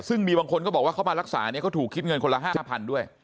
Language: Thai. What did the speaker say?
ซึ่งมีบางคนก็บอกว่าเขามารักษาเนี่ยเขาถูกคิดเงินคนละ๕๐๐๐ด้วย